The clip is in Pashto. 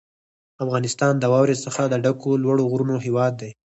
افغانستان د واورو څخه د ډکو لوړو غرونو هېواد دی.